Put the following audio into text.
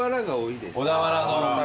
小田原のお魚。